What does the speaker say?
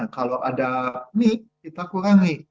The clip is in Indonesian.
kalau ada nik kita kurangi